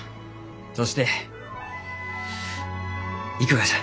そして行くがじゃ。